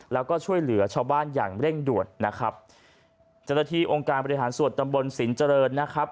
แล้วก็ช่วยเหลือชาวบ้านอย่างเร่งด่วนนะครับเจ้าหน้าที่องค์การบริหารส่วนตำบลสินเจริญนะครับ